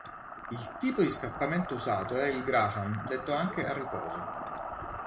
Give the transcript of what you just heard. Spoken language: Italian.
Il tipo di scappamento usato era il Graham detto anche "a riposo".